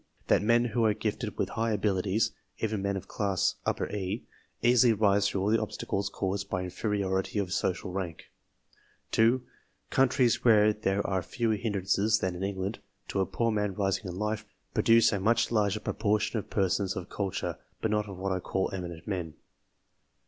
That men who are gifted with high abilities even en of class E easily rise through all the obstacles caused > by inferiority of social rank. I er> N* 2. Countries where there are fewer hindrances than in England, to a poor man rising in life, produce a much larger proportion of persons of culture, but not of what I call eminent men.